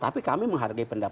tapi kami menghargai pendapat